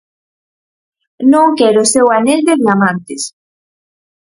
Non quero o seu anel de diamantes.